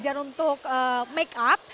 belajar untuk make up